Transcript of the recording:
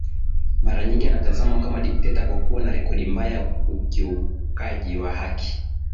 mara nyingi anatazamwa kama dikteta kwa kuwa na rekodi mbaya ya ukiukaji wa haki